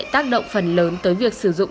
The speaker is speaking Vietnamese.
tác động phần lớn tới việc sử dụng